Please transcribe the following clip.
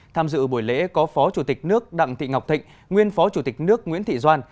tham dự buổi lễ có phó chủ tịch nước đặng thị ngọc thịnh nguyên phó chủ tịch nước nguyễn thị doan